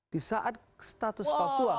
di saat status papua